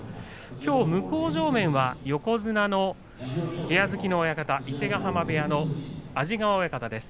きょう向正面は横綱の部屋付きの親方伊勢ヶ濱部屋の安治川親方です。